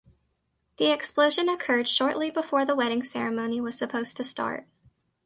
The explosion occurred shortly before the wedding ceremony was supposed to start.